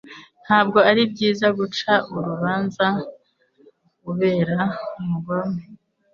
Nta bwo ari byiza guca urubanza ubera umugome